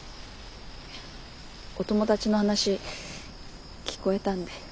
お友達の話聞こえたんで。